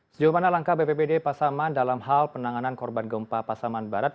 sejauh mana langkah bppd pasaman dalam hal penanganan korban gempa pasaman barat